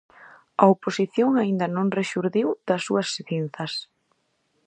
A oposición aínda non rexurdiu das súas cinzas.